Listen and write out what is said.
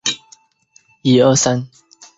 康熙五十年升任偏沅巡抚。